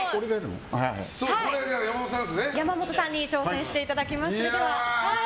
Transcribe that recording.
山本さんに挑戦していただきます。